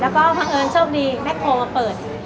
แล้วก็บังเอิญโชคดีแม่โคมาเปิด